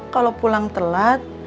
kalau pulang telat